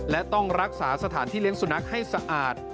และต้องรักษาสถานที่เลี้ยงสุนัขให้สะอาด